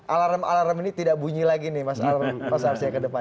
alarm alarm ini tidak bunyi lagi nih mas arsya ke depan